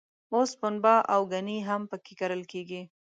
اوس پنبه او ګني هم په کې کرل کېږي.